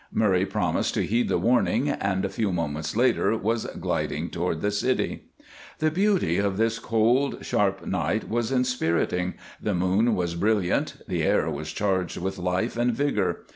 Murray promised to heed the warning, and a few moments later was gliding toward the city. The beauty of this cold, sharp night was inspiriting; the moon was brilliant; the air was charged with life and vigor.